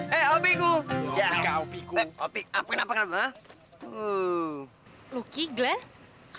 ternyata kulit kulit yang turun turun analyze lebih baik mereka sendiri